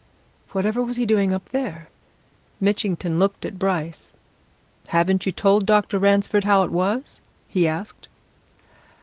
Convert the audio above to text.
"Whatever was he doing up there?" Mitchington looked at Bryce. "Haven't you told Dr. Ransford how it was?" he asked.